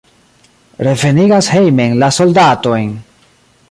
Revenigas hejmen la soldatojn!